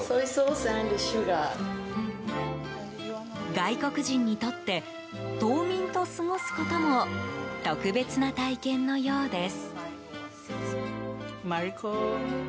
外国人にとって島民と過ごすことも特別な体験のようです。